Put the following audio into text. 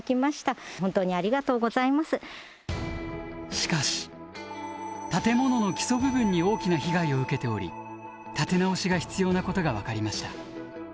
しかし建物の基礎部分に大きな被害を受けており建て直しが必要なことが分かりました。